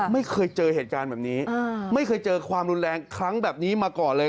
ไม่เคยเจอเหตุการณ์แบบนี้ไม่เคยเจอความรุนแรงครั้งแบบนี้มาก่อนเลย